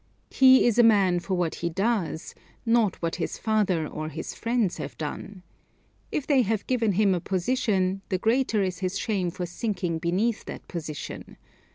He is a man for what he does, not for what his father or his friends have done. If they have given him a position, the greater is his shame for sinking beneath that position.